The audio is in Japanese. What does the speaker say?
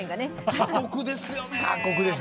過酷ですよね。